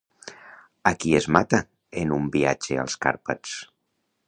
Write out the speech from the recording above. A qui es mata en un viatge als Carpats?